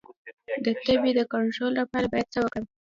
د تبې د کنټرول لپاره باید څه وکړم؟